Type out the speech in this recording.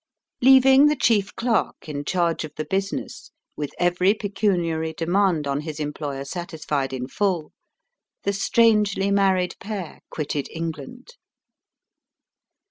Leaving the chief clerk in charge of the business, with every pecuniary demand on his employer satisfied in full, the strangely married pair quitted England.